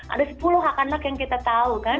ada sepuluh hak anak yang kita tahu kan